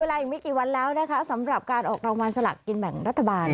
อีกไม่กี่วันแล้วนะคะสำหรับการออกรางวัลสลักกินแบ่งรัฐบาล